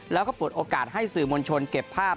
แล้วก็เปิดโอกาสให้สื่อมวลชนเก็บภาพ